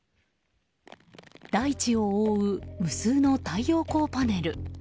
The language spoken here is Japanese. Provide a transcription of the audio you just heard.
大地を覆う無数の太陽光パネル。